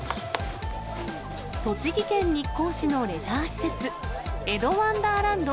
栃木県日光市のレジャー施設、江戸ワンダーランド